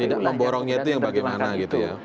tidak memborongnya itu yang bagaimana gitu ya